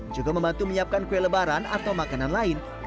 juga membantu menyiapkan kue lebaran atau makanan lain